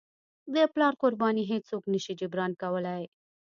د پلار قرباني هیڅوک نه شي جبران کولی.